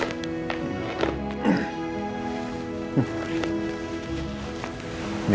ini juga yang saya beli ya